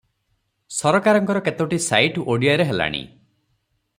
ସରକାରଙ୍କର କେତୋଟି ସାଇଟ ଓଡ଼ିଆରେ ହେଲାଣି ।